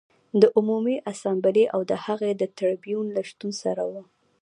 د عمومي اسامبلې او د هغې د ټربیون له شتون سره و